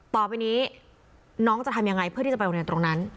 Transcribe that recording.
ต่อไปนี้น้องจะทำยังไงเพื่อที่จะไปโรงเรียนตรงนั้น